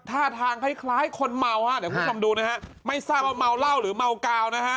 ท่าทางคล้ายคล้ายคนเมาฮะเดี๋ยวคุณผู้ชมดูนะฮะไม่ทราบว่าเมาเหล้าหรือเมากาวนะฮะ